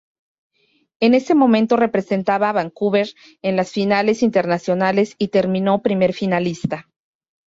En ese momento representaba a Vancouver en las Finales Internacionales y terminó primer finalista.